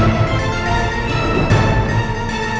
jangan lupa joko tingkir